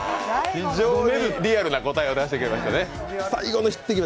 非常にリアルな答えを出していただきましたね。